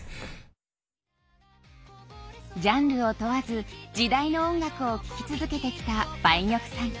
ジャンルを問わず時代の音楽を聴き続けてきた梅玉さん。